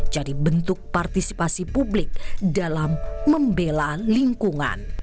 jadi bentuk partisipasi publik dalam membela lingkungan